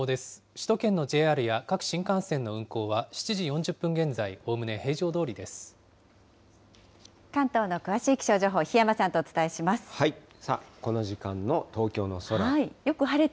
首都圏のＪＲや各新幹線の運行は、７時４０分現在、関東の詳しい気象情報、さあ、この時間の東京の空。